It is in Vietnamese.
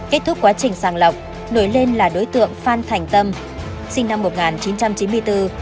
kết thúc quá trình sàng lọc nổi lên là đối tượng phan thành tâm sinh năm một nghìn chín trăm chín mươi bốn